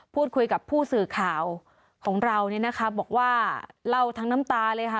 พูดคุยกับผู้สื่อข่าวของเราเนี่ยนะคะบอกว่าเล่าทั้งน้ำตาเลยค่ะ